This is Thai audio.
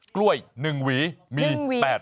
กล้วย๑หวีมี๘๐